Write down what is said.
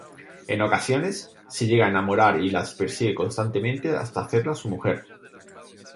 En ocasiones, si llega a enamorar y las persigue constantemente hasta hacerla su mujer.